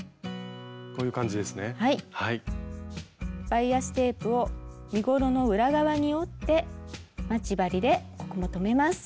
バイアステープを身ごろの裏側に折って待ち針でここも留めます。